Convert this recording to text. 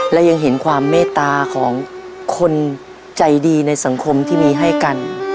และยังเห็นความเมตตาของคนใจดีในสังคมที่มีให้กัน